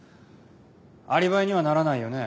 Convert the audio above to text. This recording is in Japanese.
アリバイにはならないよね。